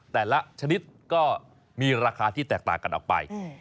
แต่ละชนิดก็มีราคาที่แตกต่างกันออกไป